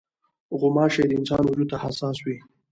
غوماشې د انسان وجود ته حساس وي.